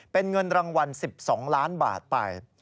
เป็นเงินรางวัล๑๒ล้านบาทไป